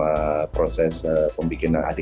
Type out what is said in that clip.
kalau bron ini sosok bapak nah ini bapaknya ini bapaknya